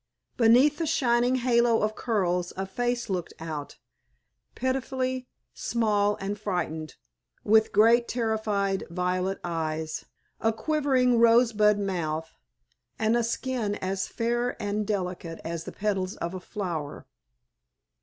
Beneath the shining halo of curls a face looked out, pitifully small and frightened, with great terrified violet eyes, a quivering rose bud mouth, and a skin as fair and delicate as the petals of a flower.